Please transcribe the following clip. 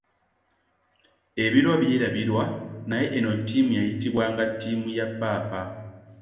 Ebirwa byerabirwa naye eno ttiimu yayitibwanga ttiimu ya Paapa.